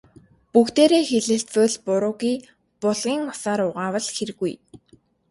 Бүгдээрээ хэлэлцвэл буруугүй, булгийн усаар угаавал хиргүй.